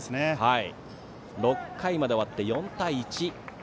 ６回まで終わって、４対１。